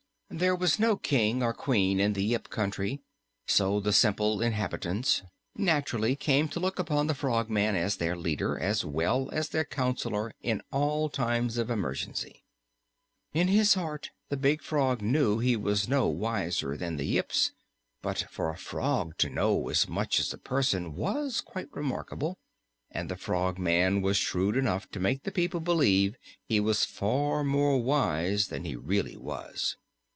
There was no King or Queen in the Yip Country, so the simple inhabitants naturally came to look upon the Frogman as their leader as well as their counselor in all times of emergency. In his heart the big frog knew he was no wiser than the Yips, but for a frog to know as much as a person was quite remarkable, and the Frogman was shrewd enough to make the people believe he was far more wise than he really was.